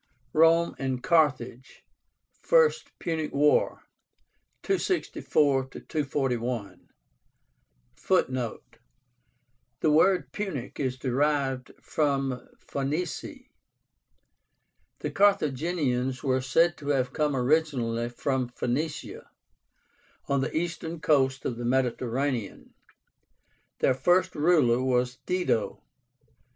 ROME AND CARTHAGE. FIRST PUNIC WAR. (264 241.) (Footnote: The word "Punic" is derived from Phoenici. The Carthaginians were said to have come originally from PHOENICIA, on the eastern coast of the Mediterranean. Their first ruler was Dido.